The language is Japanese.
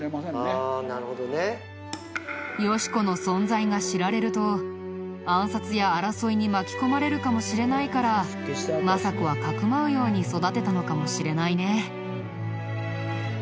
よし子の存在が知られると暗殺や争いに巻き込まれるかもしれないから政子はかくまうように育てたのかもしれないね。